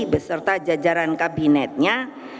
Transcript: beserta jajaran kabinetnya